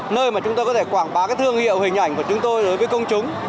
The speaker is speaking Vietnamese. nơi mà chúng tôi có thể quảng bá cái thương hiệu hình ảnh của chúng tôi đối với công chúng